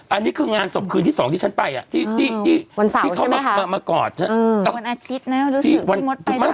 อันนี้คืองานศพคืนที่สองที่ฉันไปอ่ะวันเสาร์ใช่ไหมครับที่เขามากอด